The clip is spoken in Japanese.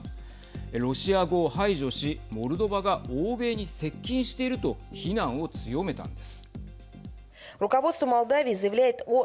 ロシア語を排除しモルドバが欧米に接近していると非難を強めたんです。